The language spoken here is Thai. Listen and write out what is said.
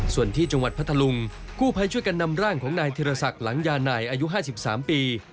ส่วนที่จังหวัดพัทธลุงกู้ภัยช่วยกันนำร่างของนายธิรศักดิ์หลังยานายอายุ๕๓ปี